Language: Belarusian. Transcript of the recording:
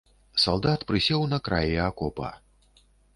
Салдат прысеў на краі акопа.